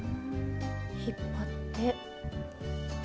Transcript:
引っ張って。